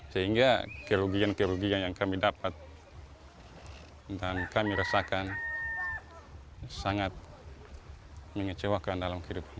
sehingga kerugian kerugian yang kami dapat dan kami rasakan sangat mengecewakan dalam kehidupan